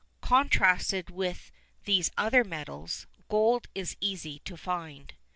Contrasted with these other metals, gold is easy to find.